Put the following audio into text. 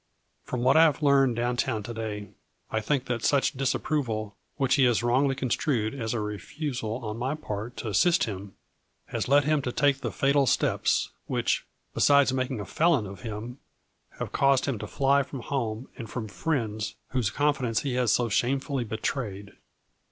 From what I have learned down town to day, I A FL UBB Y IN DIAMONDS . 121 think that such disapproval, which he has wrongly construed as a refusal on my part to assist him, has led him to take the fatal steps, which, besides making a felon of him, have caused him to fly from home and from friends whose confidence he has so shamefully betrayed.